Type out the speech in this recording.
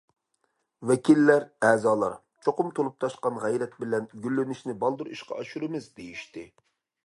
ۋەكىللەر، ئەزالار: چوقۇم تولۇپ تاشقان غەيرەت بىلەن، گۈللىنىشنى بالدۇر ئىشقا ئاشۇرىمىز، دېيىشتى.